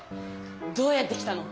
どうやって来たの？